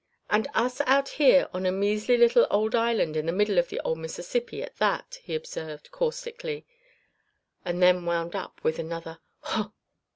"And us out here on a measly little old island in the middle of the old Mississippi, at that?" he observed, caustically, and then wound up with another "Huh!"